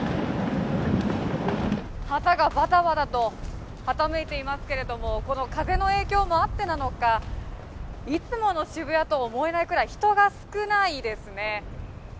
旗がバタバタと傾いていますけれども、この風の影響もあってなのかいつもの渋谷と思えないくらい人が少ないですね。